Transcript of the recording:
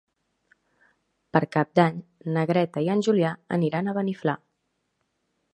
Per Cap d'Any na Greta i en Julià aniran a Beniflà.